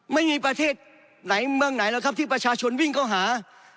ไม่มีประเทศไหนเมืองไหนหรอกครับที่ประชาชนวิ่งเข้าหา